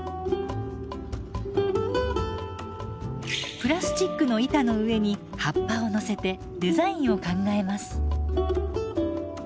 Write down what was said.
プラスチックの板の上に葉っぱを乗せてデザインを考えます。